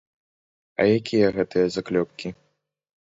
А якія гэтыя заклёпкі?